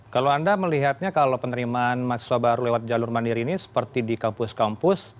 kalau anda melihatnya kalau penerimaan mahasiswa baru lewat jalur mandiri ini seperti di kampus kampus